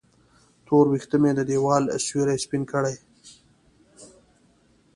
تور وېښته مې د دیوال سیورې سپین کړي